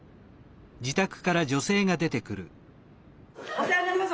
お世話になります。